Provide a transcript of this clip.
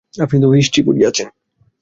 আপনি তো হিস্ট্রি পড়িয়াছেন?